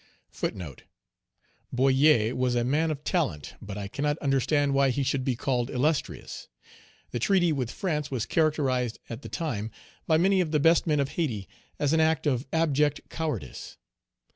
Boyer was a man of talent, but I cannot understand why he should be called illustrious. The treaty with France was characterized at the time, by many of the best men of Hayti, as an act of abject cowardice.